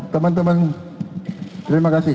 teman teman terima kasih